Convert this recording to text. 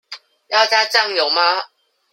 要加醬油嗎？